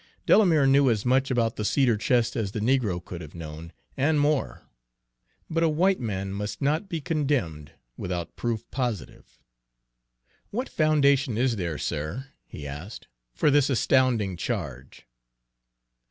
Delamere knew as much about the cedar chest as the negro could have known, and more. But a white man must not be condemned without proof positive. "What foundation is there, sir," he asked, "for this astounding charge?"